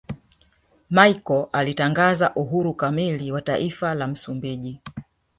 Machel alitangaza uhuru kamili wa taifa la Msumbiji